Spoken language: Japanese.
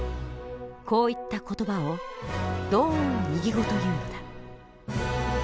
こういった言葉を同音異義語というのだ。